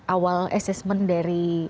awal assessment dari